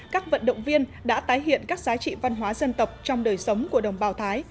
các vận động viên đã tái hiện các giá trị văn hóa dân tộc trong đời sống của đồng bào thái